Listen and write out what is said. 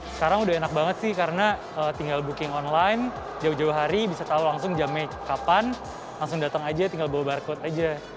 sekarang udah enak banget sih karena tinggal booking online jauh jauh hari bisa tahu langsung jamnya kapan langsung datang aja tinggal bawa barcode aja